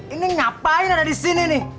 ini ngapain ada di sini nih